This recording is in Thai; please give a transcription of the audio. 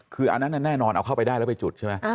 คืออันนั้นแน่นอนเอาเข้าไปได้แล้วไปจุดใช่ไหม